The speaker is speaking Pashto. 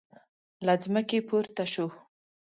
له ځمکې پورته شو.